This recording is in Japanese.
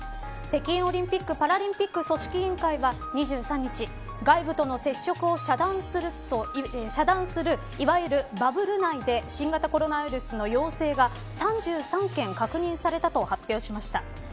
北京オリンピックパラリンピック組織委員会は２３日外部との接触を遮断するいわゆるバブル内で新型コロナウイルスの陽性が３３件確認されたと発表しました。